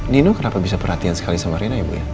nino kenapa bisa perhatian sekali sama rena ya bu